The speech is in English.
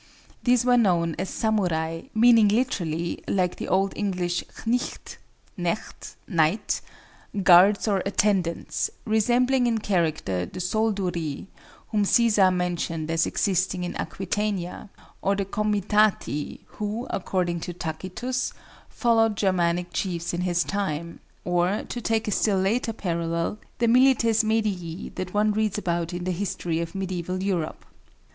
These were known as samurai, meaning literally, like the old English cniht (knecht, knight), guards or attendants—resembling in character the soldurii whom Cæsar mentioned as existing in Aquitania, or the comitati, who, according to Tacitus, followed Germanic chiefs in his time; or, to take a still later parallel, the milites medii that one reads about in the history of Mediæval Europe.